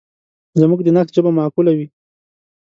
زموږ د نقد ژبه معقوله وي.